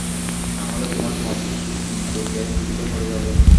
না হলে তোমার পদ কিন্তু বেশ ঝুঁকিতে পড়ে যাবে।